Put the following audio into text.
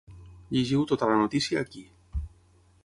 Llegiu tota la notícia aquí.